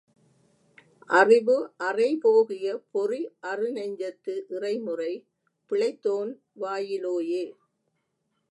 அறிவு அறை போகிய பொறி அறு நெஞ்சத்து இறைமுறை பிழைத்தோன் வாயிலோயே!